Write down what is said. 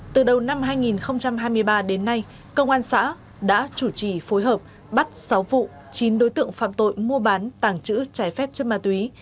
từ đầu năm hai nghìn hai mươi ba đến nay công an xã đã chủ trì phối hợp bắt sáu vụ chín đối tượng phạm tội mua bán tàng trữ trái phép chất ma túy